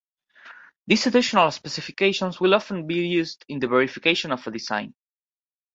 These additional specifications will often be used in the verification of a design.